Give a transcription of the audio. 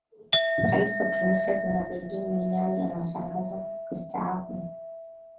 rais wa tunisia zinabedin binali atangaza kustaafu